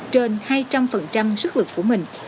trên hai trăm linh sức lực của mình